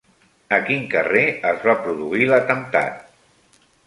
A quin carrer es va produir l'atemptat?